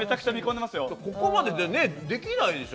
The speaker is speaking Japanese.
ここまでできないでしょ